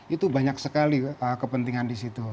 itu banyak sekali kepentingan di situ